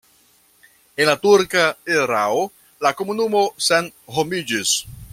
En la turka erao la komunumo senhomiĝis.